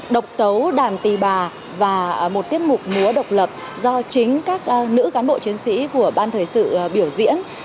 độc tấu đàn tì bà và một tiết mục múa độc lập do chính các nữ cán bộ chiến sĩ của ban thời sự biểu diễn